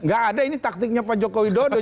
gak ada ini taktiknya pak jokowi dodo